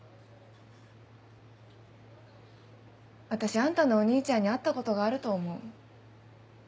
私あんたのお兄ちゃんに会ったことがあると思う。